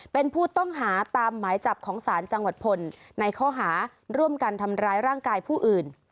เป็นผู้ต้องหาตามหมายจับของศาลจังหวัดพลในข้อหาร่วมกันทำร้ายร่างกายผู้อื่น